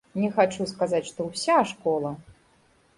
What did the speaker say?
Не хачу сказаць, што ўся школа.